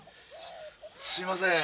すいません。